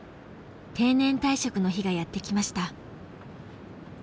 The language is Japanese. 定年退職の日がやって来ました。